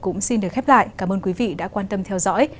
cũng xin được khép lại cảm ơn quý vị đã quan tâm theo dõi